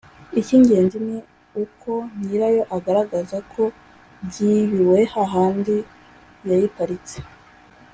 icy’ingenzi ni uko nyirayo agaragaza ko byibiwe hahandi yayiparitse